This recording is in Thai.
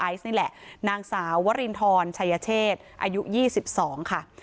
ไอซ์นี่แหละนางสาววรินทรชัยเชษอายุยี่สิบสองค่ะ